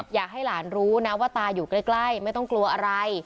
อยากให้หลานรู้นะว่าตาอยู่ใกล้ไม่ต้องกลัวอะไร